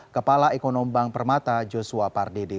kepala ekonomi bank permata joshua pardede